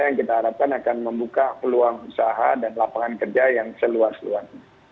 yang kita harapkan akan membuka peluang usaha dan lapangan kerja yang seluas luas